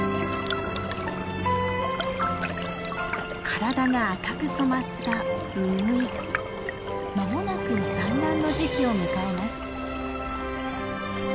体が赤く染まった間もなく産卵の時期を迎えます。